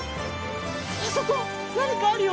あそこなにかあるよ！